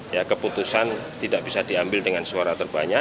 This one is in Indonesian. ya keputusan tidak bisa diambil dengan suara terbanyak